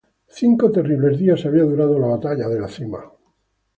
Cinco terribles días había durado la "Batalla de la Cima".